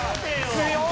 強い！